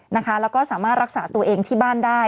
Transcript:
แล้วก็สามารถรักษาตัวเองที่บ้านได้